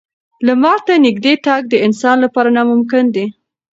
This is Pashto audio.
لمر ته نږدې تګ د انسان لپاره ناممکن دی.